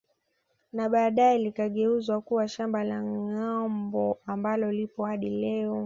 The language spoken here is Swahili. Na baadae likageuzwa kuwa shamba la Ngâombe ambalo lipo hadi leo